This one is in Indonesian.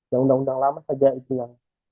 dan undang undang lama saja itu yang